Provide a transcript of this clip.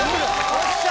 よっしゃ！